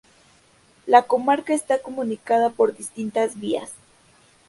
La comarca está comunicada por distintas vías.